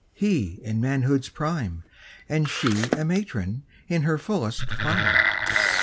He in manhood's prime And she a matron in her fullest flower.